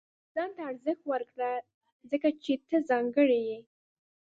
• ځان ته ارزښت ورکړه، ځکه چې ته ځانګړی یې.